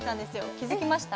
気付きました？